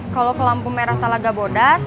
kalau ke lampu merah talaga bodas